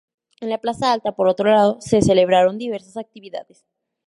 En la Plaza Alta, por otro lado, se celebraron diversas actividades.